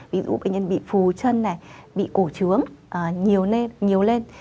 ví dụ bệnh nhân bị phù chân này bị cổ trướng nhiều lên